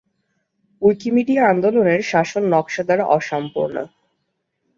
Wikimedia আন্দোলনের শাসন নকশা দ্বারা অসম্পূর্ণ।